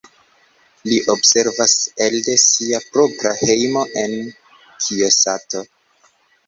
Li observas elde sia propra hejmo en Kijosato.